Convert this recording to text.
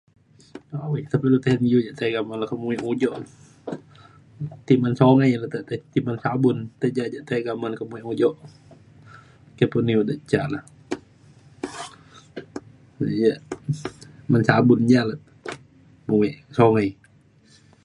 awai nta pa ilu iu ja tiga me le ke muek ujok. ti men sungai le ti men sabun ti ja ja tiga men muek ujok ke pun iu de ca na. iu ja muek ke sabun ja le muek kawai.